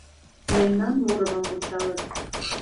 Мемнан мурымым вучалыт.